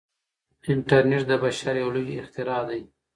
انټرنیټ د بشر یو لوی اختراع دی.